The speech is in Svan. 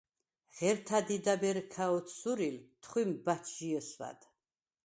ღერთა̈ დიდა̈ბ ერ ქა ოთსურილ, თხვიმ ბა̈ჩჟი ესვა̈დ.